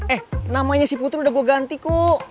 eh namanya si putri udah gue ganti kok